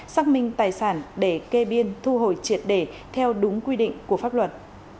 xác minh tài sản để kê biên thu hồi triệt để theo đúng quy định của pháp luật